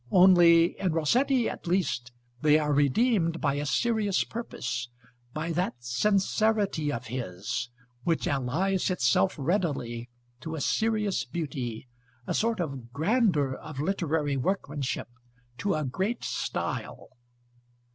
Only, in Rossetti at least, they are redeemed by a serious purpose, by that sincerity of his, which allies itself readily to a serious beauty, a sort of grandeur of literary workmanship, to a great style.